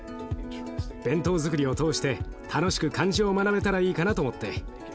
弁当づくりを通して楽しく漢字を学べたらいいかなと思って。